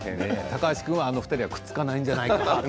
高橋君はあの２人はくっつかないんじゃないかなと。